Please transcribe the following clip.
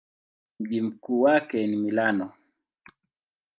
Mji mkuu wake ni Milano.